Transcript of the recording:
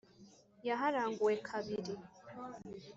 yaharanguwe kabiri.